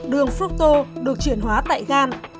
đường fructo được chuyển hóa tại gan